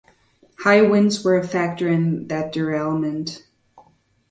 High winds were a factor in that derailment.